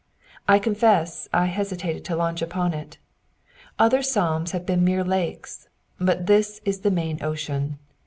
I confess I hesitated to launch upon it. Other psalms have been mere lakes, but this is the main ocean.